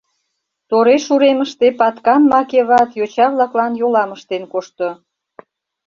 Тореш уремыште Паткан Макеват йоча-влаклан йолам ыштен кошто.